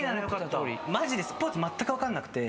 マジでスポーツまったく分かんなくて。